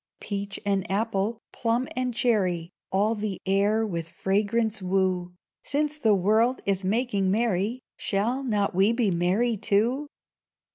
Peach and apple, plum and cherry, All the air with fragrance woo; Since the world is making merry, Shall not we be merry, too?